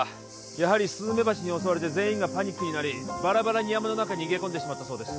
やはりスズメバチに襲われて全員がパニックになりバラバラに山の中に逃げ込んでしまったそうです